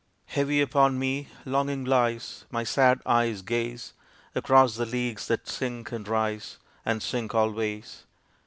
Heavy upon me longing lies, My sad eyes gaze Across the leagues that sink and rise And sink always.